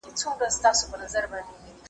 زه تږی د کلونو یم د خُم څنګ ته درځمه `